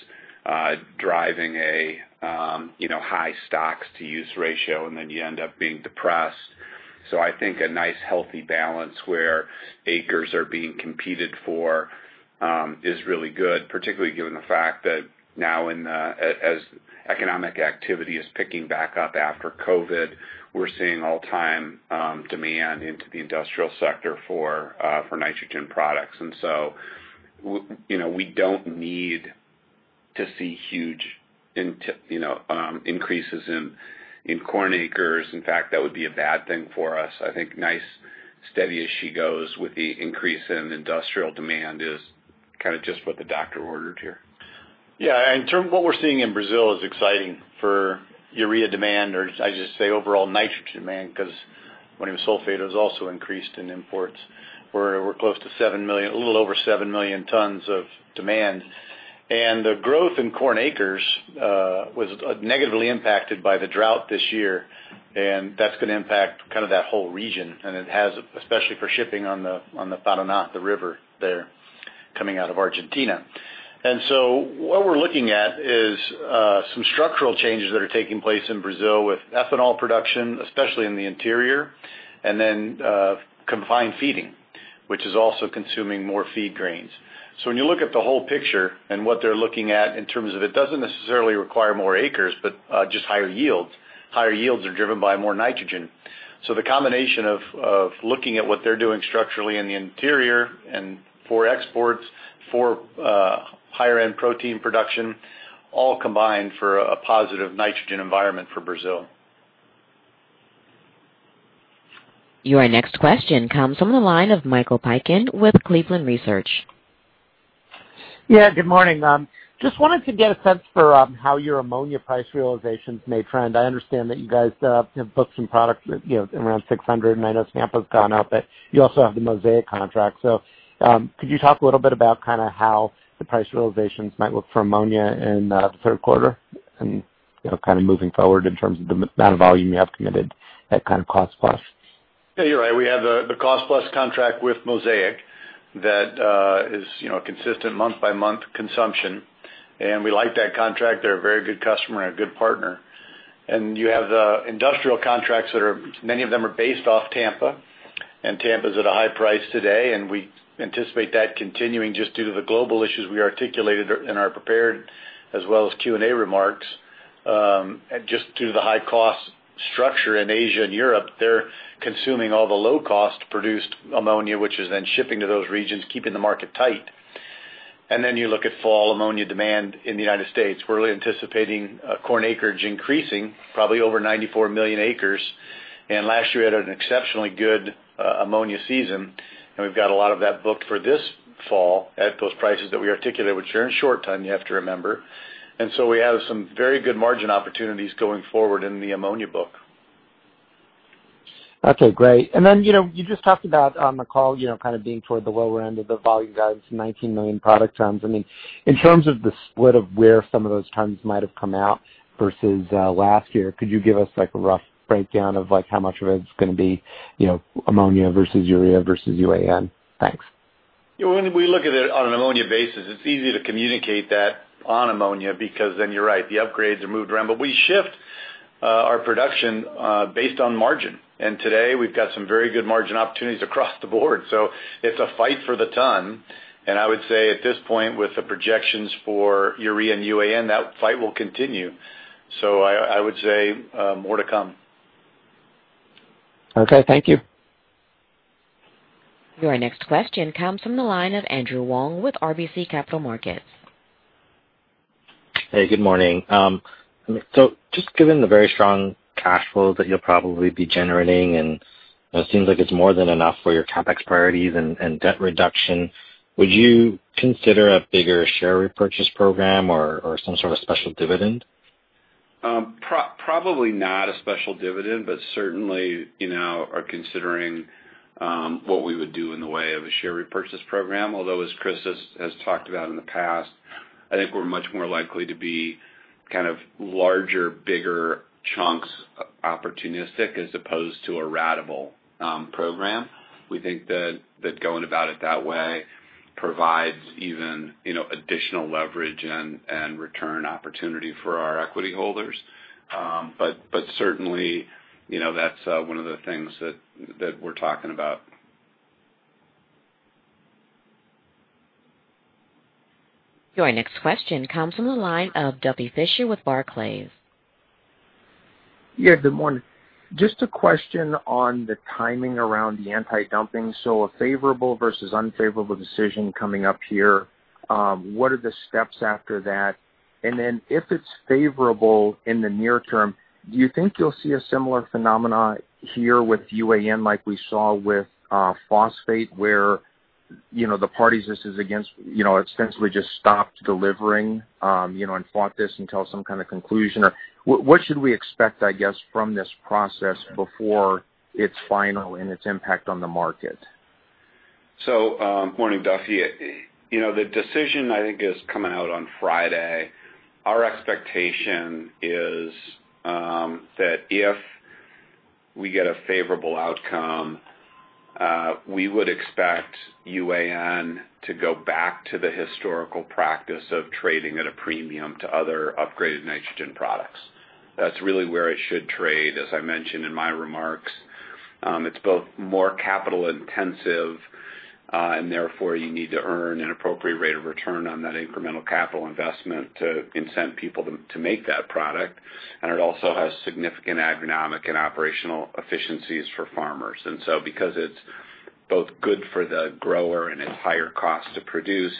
C: driving a high stocks to use ratio, and then you end up being depressed. I think a nice healthy balance where acres are being competed for is really good, particularly given the fact that now as economic activity is picking back up after COVID, we're seeing all-time demand into the industrial sector for nitrogen products. We don't need to see huge increases in corn acres. In fact, that would be a bad thing for us. I think nice steady as she goes with the increase in industrial demand is just what the doctor ordered here.
D: Yeah. In terms of what we're seeing in Brazil is exciting for urea demand or I just say overall nitrogen demand because ammonium sulfate has also increased in imports, where we're close to a little over 7 million tons of demand. The growth in corn acres was negatively impacted by the drought this year, and that's going to impact that whole region. It has, especially for shipping on the Paraná, the river there coming out of Argentina. What we're looking at is some structural changes that are taking place in Brazil with ethanol production, especially in the interior, and then confined feeding, which is also consuming more feed grains. When you look at the whole picture and what they're looking at in terms of it doesn't necessarily require more acres, but just higher yields. Higher yields are driven by more nitrogen. The combination of looking at what they're doing structurally in the interior and for exports, for higher end protein production, all combine for a positive nitrogen environment for Brazil.
A: Your next question comes from the line of Michael Piken with Cleveland Research.
M: Yeah, good morning. Just wanted to get a sense for how your ammonia price realizations may trend. I understand that you guys have booked some product around $600, and I know Tampa's gone up, but you also have the Mosaic contract. could you talk a little bit about how the price realizations might look for ammonia in the third quarter and kind of moving forward in terms of the amount of volume you have committed at kind of cost plus?
D: Yeah, you're right. We have the cost plus contract with Mosaic that is a consistent month-by-month consumption, and we like that contract. They're a very good customer and a good partner. You have the industrial contracts that many of them are based off Tampa, and Tampa's at a high price today, and we anticipate that continuing just due to the global issues we articulated in our prepared as well as Q&A remarks. Just due to the high cost structure in Asia and Europe, they're consuming all the low cost produced ammonia, which is then shipping to those regions, keeping the market tight. You look at fall ammonia demand in the United States. We're really anticipating corn acreage increasing probably over 94 million acres. Last year we had an exceptionally good ammonia season, and we've got a lot of that booked for this fall at those prices that we articulated, which are in short ton, you have to remember. We have some very good margin opportunities going forward in the ammonia book.
M: Okay, great. you just talked about on the call, kind of being toward the lower end of the volume guidance, 19 million product tons. In terms of the split of where some of those tons might have come out versus last year, could you give us a rough breakdown of how much of it's going to be ammonia versus urea versus UAN? Thanks.
D: When we look at it on an ammonia basis, it's easy to communicate that on ammonia because then you're right, the upgrades are moved around. We shift our production based on margin. Today we've got some very good margin opportunities across the board. It's a fight for the ton, and I would say at this point, with the projections for urea and UAN, that fight will continue. I would say more to come.
M: Okay. Thank you.
A: Your next question comes from the line of Andrew Wong with RBC Capital Markets.
N: Hey, good morning. Just given the very strong cash flow that you'll probably be generating, and it seems like it's more than enough for your CapEx priorities and debt reduction, would you consider a bigger share repurchase program or some sort of special dividend?
C: Probably not a special dividend, certainly are considering what we would do in the way of a share repurchase program. As Chris has talked about in the past, I think we're much more likely to be kind of larger, bigger chunks opportunistic as opposed to a ratable program. We think that going about it that way provides even additional leverage and return opportunity for our equity holders. Certainly, that's one of the things that we're talking about.
A: Your next question comes from the line of Duffy Fischer with Barclays.
O: Yeah, good morning. Just a question on the timing around the antidumping. A favorable versus unfavorable decision coming up here. What are the steps after that? If it's favorable in the near term, do you think you'll see a similar phenomena here with UAN like we saw with phosphate, where the parties this is against ostensibly just stopped delivering and fought this until some kind of conclusion? What should we expect, I guess, from this process before it's final and its impact on the market?
C: Good morning, Duffy. The decision I think is coming out on Friday. Our expectation is that if we get a favorable outcome, we would expect UAN to go back to the historical practice of trading at a premium to other upgraded nitrogen products. That's really where it should trade, as I mentioned in my remarks. It's both more capital intensive, and therefore you need to earn an appropriate rate of return on that incremental capital investment to incent people to make that product. And it also has significant agronomic and operational efficiencies for farmers. Because it's both good for the grower and it's higher cost to produce,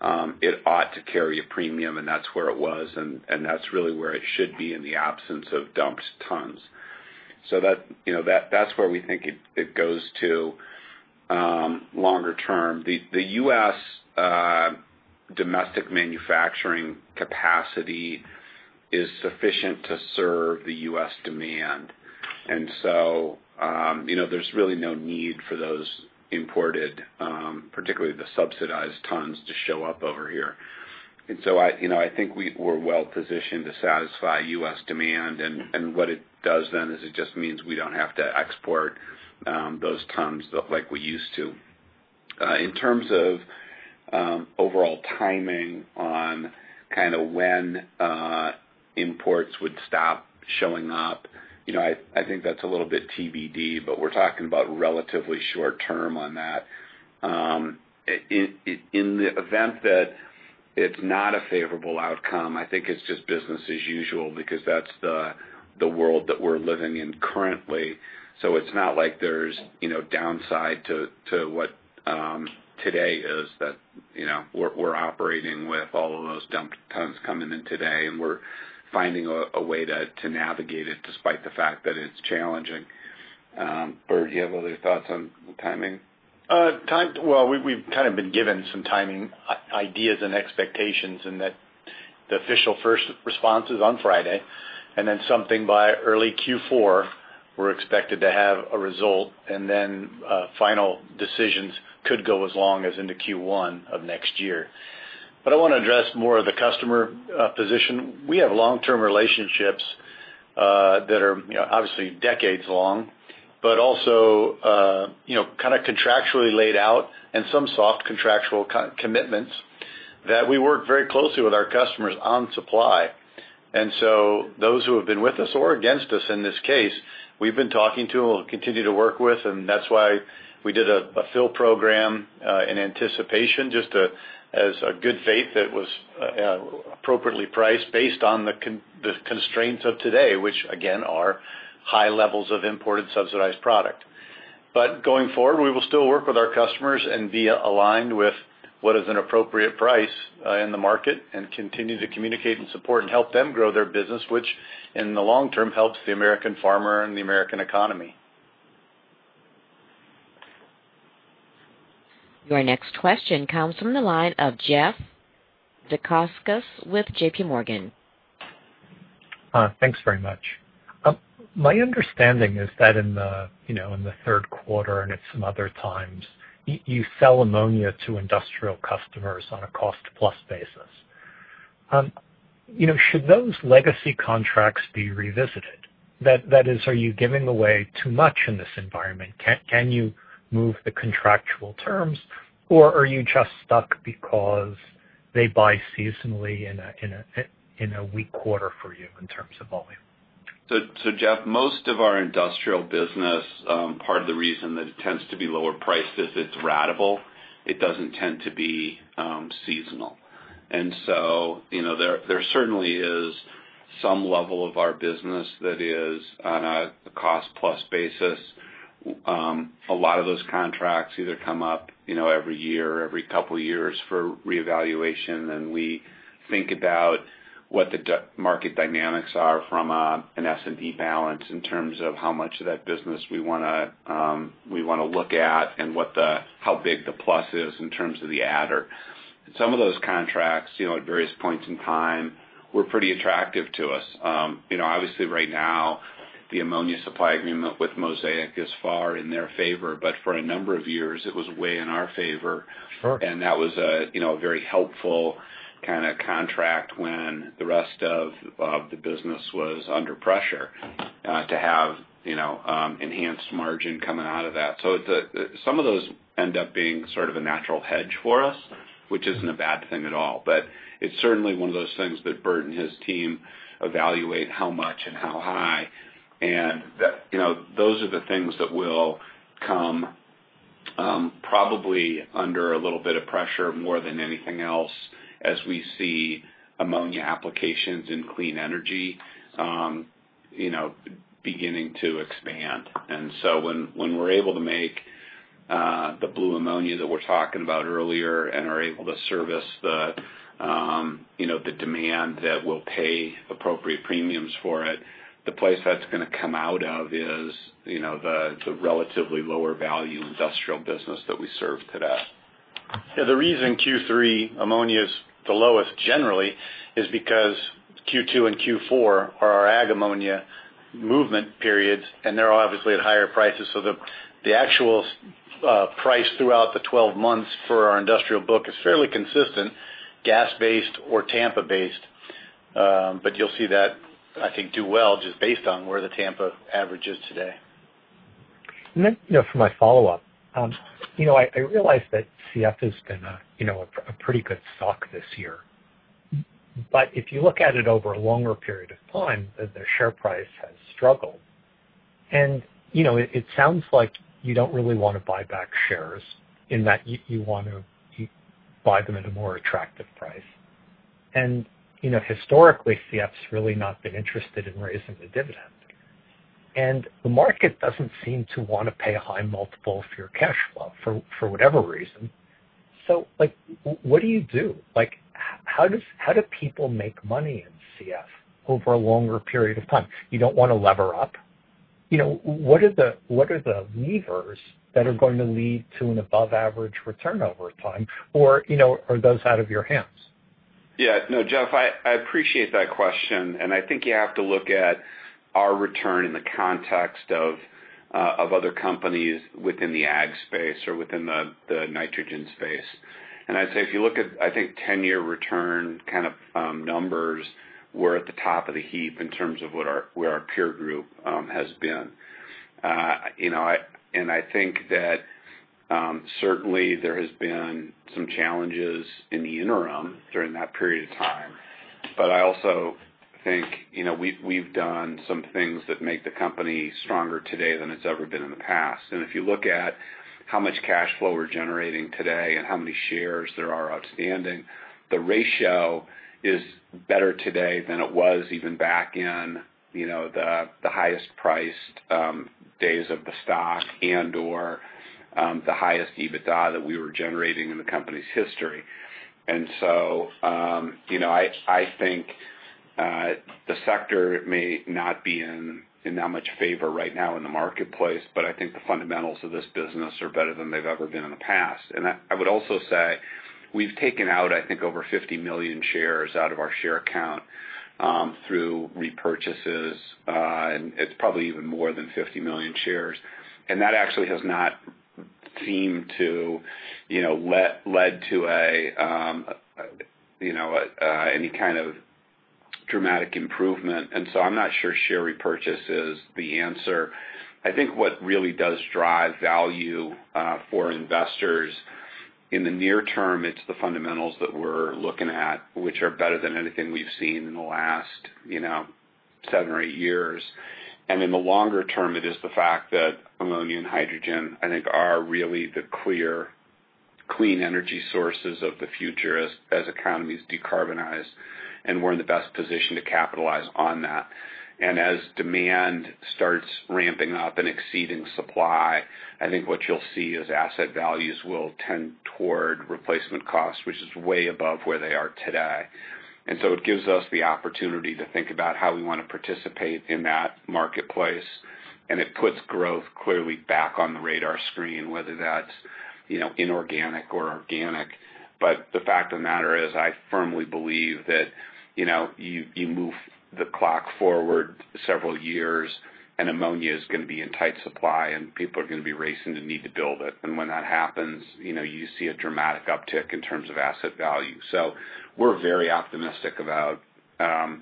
C: it ought to carry a premium, and that's where it was, and that's really where it should be in the absence of dumped tons. That's where we think it goes to longer term. The US domestic manufacturing capacity is sufficient to serve the US demand. There's really no need for those imported, particularly the subsidized tons to show up over here. I think we're well positioned to satisfy US demand, and what it does then is it just means we don't have to export those tons like we used to. In terms of overall timing on kind of when imports would stop showing up. I think that's a little bit TBD. We're talking about relatively short term on that. In the event that it's not a favorable outcome, I think it's just business as usual because that's the world that we're living in currently. It's not like there's downside to what today is that we're operating with all of those dump tons coming in today, and we're finding a way to navigate it despite the fact that it's challenging. Bert, do you have other thoughts on the timing?
D: We've kind of been given some timing ideas and expectations in that the official first response is on Friday, then something by early Q4, we're expected to have a result. Final decisions could go as long as into Q1 of next year. I want to address more of the customer position. We have long-term relationships that are obviously decades long, but also kind of contractually laid out and some soft contractual commitments that we work very closely with our customers on supply. Those who have been with us or against us in this case, we've been talking to and we'll continue to work with, and that's why we did a fill program in anticipation just as a good faith that was appropriately priced based on the constraints of today, which again, are high levels of imported subsidized product. Going forward, we will still work with our customers and be aligned with what is an appropriate price in the market and continue to communicate and support and help them grow their business, which in the long term helps the American farmer and the American economy.
A: Your next question comes from the line of Jeff Zekauskas with JPMorgan.
P: Thanks very much. My understanding is that in the third quarter and at some other times, you sell ammonia to industrial customers on a cost-plus basis. Should those legacy contracts be revisited? That is, are you giving away too much in this environment? Are you just stuck because they buy seasonally in a weak quarter for you in terms of volume?
C: Jeff, most of our industrial business, part of the reason that it tends to be lower priced is it's ratable. It doesn't tend to be seasonal. There certainly is some level of our business that is on a cost-plus basis. A lot of those contracts either come up every year or every couple of years for reevaluation. We think about what the market dynamics are from an S&D balance in terms of how much of that business we want to look at and how big the plus is in terms of the adder. Some of those contracts at various points in time were pretty attractive to us. Obviously right now, the ammonia supply agreement with Mosaic is far in their favor, but for a number of years, it was way in our favor.
P: Sure.
C: That was a very helpful kind of contract when the rest of the business was under pressure to have enhanced margin coming out of that. Some of those end up being sort of a natural hedge for us, which isn't a bad thing at all. It's certainly one of those things that Bert and his team evaluate how much and how high. Those are the things that will come probably under a little bit of pressure more than anything else as we see ammonia applications in clean energy beginning to expand. When we're able to make the blue ammonia that we were talking about earlier and are able to service the demand that will pay appropriate premiums for it, the place that's going to come out of is the relatively lower value industrial business that we serve today.
D: Yeah. The reason Q3 ammonia is the lowest generally is because Q2 and Q4 are our ag ammonia movement periods, and they're obviously at higher prices. The actual price throughout the 12 months for our industrial book is fairly consistent, gas based or Tampa based. You'll see that, I think, do well just based on where the Tampa average is today.
P: For my follow-up. I realize that CF has been a pretty good stock this year. If you look at it over a longer period of time, the share price has struggled. It sounds like you don't really want to buy back shares in that you want to buy them at a more attractive price. Historically, CF's really not been interested in raising the dividend. The market doesn't seem to want to pay a high multiple for your cash flow for whatever reason. What do you do? How do people make money in CF over a longer period of time? You don't want to lever up. What are the levers that are going to lead to an above average return over time? Or are those out of your hands?
C: Yeah. No, Jeff, I appreciate that question. I think you have to look at our return in the context of other companies within the ag space or within the nitrogen space. I'd say if you look at, I think 10-year return kind of numbers, we're at the top of the heap in terms of where our peer group has been. I think that certainly there has been some challenges in the interim during that period of time. I also think we've done some things that make the company stronger today than it's ever been in the past. If you look at how much cash flow we're generating today and how many shares there are outstanding, the ratio is better today than it was even back in the highest priced days of the stock and/or the highest EBITDA that we were generating in the company's history. I think the sector may not be in that much favor right now in the marketplace, but I think the fundamentals of this business are better than they've ever been in the past. I would also say we've taken out, I think, over 50 million shares out of our share count through repurchases. It's probably even more than 50 million shares, and that actually has not seemed to lead to any kind of dramatic improvement. I'm not sure share repurchase is the answer. I think what really does drive value for investors in the near term, it's the fundamentals that we're looking at, which are better than anything we've seen in the last seven or eight years. In the longer term, it is the fact that ammonia and hydrogen, I think, are really the clear, clean energy sources of the future as economies decarbonize. We're in the best position to capitalize on that. As demand starts ramping up and exceeding supply, I think what you'll see is asset values will tend toward replacement costs, which is way above where they are today. It gives us the opportunity to think about how we want to participate in that marketplace. It puts growth clearly back on the radar screen, whether that's inorganic or organic. The fact of the matter is I firmly believe that you move the clock forward several years, and ammonia is going to be in tight supply, and people are going to be racing to need to build it. When that happens, you see a dramatic uptick in terms of asset value. We're very optimistic about the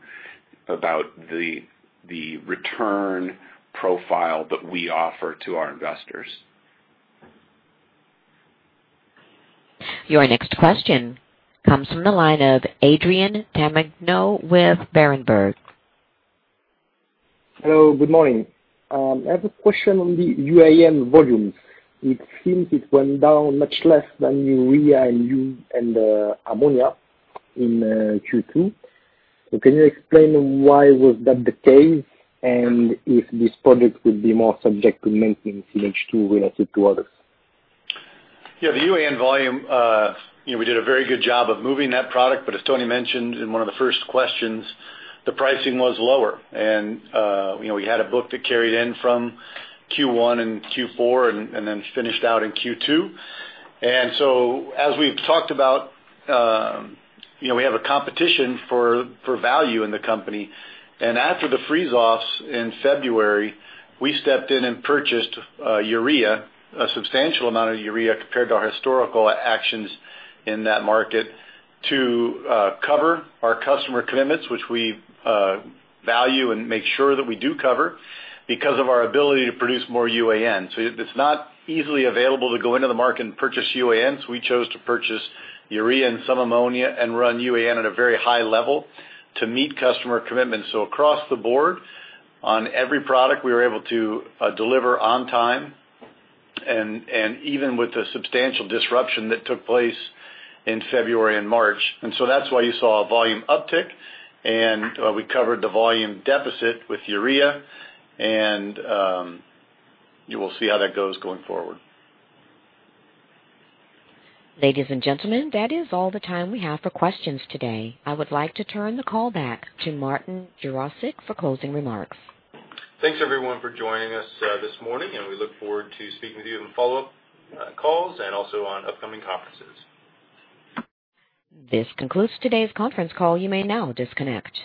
C: return profile that we offer to our investors.
A: Your next question comes from the line of Adrien Tamagno with Berenberg.
Q: Hello, good morning. I have a question on the UAN volumes. It seems it went down much less than urea and ammonia in Q2. Can you explain why was that the case? If this product would be more subject to maintaining CF relative to others?
D: Yeah. The UAN volume we did a very good job of moving that product. As Tony mentioned in one of the first questions, the pricing was lower. We had a book that carried in from Q1 and Q4 and then finished out in Q2. As we've talked about we have a competition for value in the company. After the freeze-offs in February, we stepped in and purchased a substantial amount of urea compared to our historical actions in that market to cover our customer commitments, which we value and make sure that we do cover because of our ability to produce more UAN. It's not easily available to go into the market and purchase UAN. We chose to purchase urea and some ammonia and run UAN at a very high level to meet customer commitments. Across the board, on every product, we were able to deliver on time, even with the substantial disruption that took place in February and March. That's why you saw a volume uptick. We covered the volume deficit with urea, and you will see how that goes going forward.
A: Ladies and gentlemen, that is all the time we have for questions today. I would like to turn the call back to Martin Jarosick for closing remarks.
B: Thanks, everyone, for joining us this morning, and we look forward to speaking with you on follow-up calls and also on upcoming conferences.
A: This concludes today's conference call. You may now disconnect.